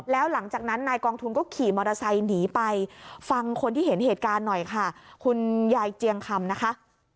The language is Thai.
แล้วหลังจากนั้นนายกองทุนก็ขี่มอเตอร์ไซค์หนีไปฟังคนที่เห็นเหตุการณ์หน่อยค่ะคุณยายเจียงคำนะคะ